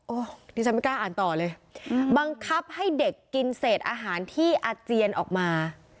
ดิฉันไม่กล้าอ่านต่อเลยบังคับให้เด็กกินเศษอาหารที่อาเจียนออกมา